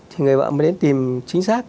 thì người vợ mới đến tìm chính xác